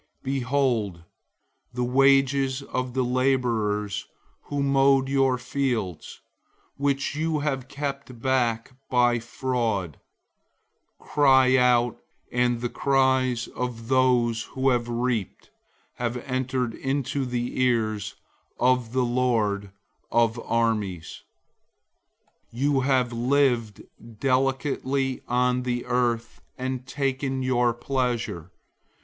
005:004 Behold, the wages of the laborers who mowed your fields, which you have kept back by fraud, cry out, and the cries of those who reaped have entered into the ears of the Lord of Armies{Greek: Sabaoth (for Hebrew: Tze'va'ot)}. 005:005 You have lived delicately on the earth, and taken your pleasure.